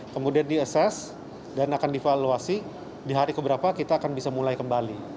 kemudian di assess dan akan divaluasi di hari keberapa kita akan bisa mulai kembali